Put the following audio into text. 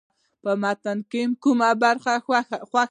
په متن کې مو کومه برخه خوښه ده.